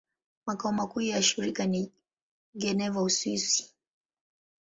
Makao makuu ya shirika ni Geneva, Uswisi.